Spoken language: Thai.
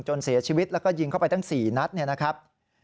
เสียชีวิตแล้วก็ยิงเข้าไปตั้ง๔นัดเนี่ยนะครับ